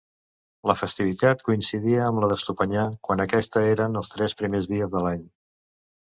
La festivitat coincidia amb la d'Estopanyà, quan aquesta eren els tres primers dies de l'any.